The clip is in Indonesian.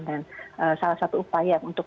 dan salah satu upaya untuk